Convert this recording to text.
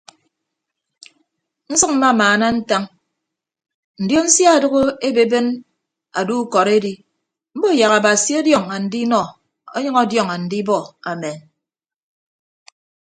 Nsʌk mmamaana ntañ ndion sia adoho ebeeben ado ukọd edi mbo yak abasi ọdiọn andinọ ọnyʌñ ọdiọñ andibọ amen.